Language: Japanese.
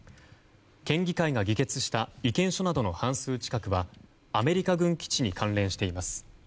県議会が議決した意見書などの半数近くはアメリカ軍基地に関連しています。